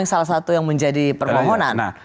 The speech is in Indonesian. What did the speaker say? salah satu yang menjadi permohonan